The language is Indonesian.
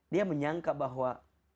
dia menyangka bahwa